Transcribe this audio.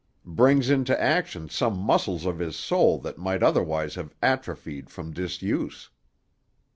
Brings into action some muscles of his soul that might otherwise have atrophied from disuse."